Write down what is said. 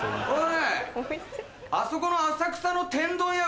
あそこの浅草の天丼屋